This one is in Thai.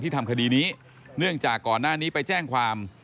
ทำคดีนี้เนื่องจากก่อนหน้านี้ไปแจ้งความ